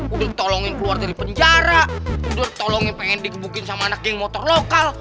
udah ditolongin keluar dari penjara udah tolongin pengen digebukin sama anak geng motor lokal